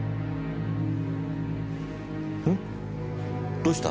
どうした？